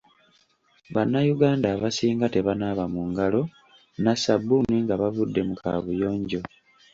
Bannayuganda abasinga tebanaaba mu ngalo na sabbuuni nga bavudde mu kaabuyonjo.